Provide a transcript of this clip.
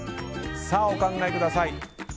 お考えください。